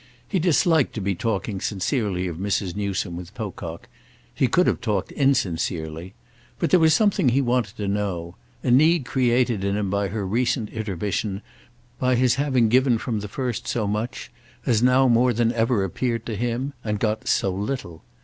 He disliked to be talking sincerely of Mrs. Newsome with Pocock; he could have talked insincerely. But there was something he wanted to know, a need created in him by her recent intermission, by his having given from the first so much, as now more than ever appeared to him, and got so little.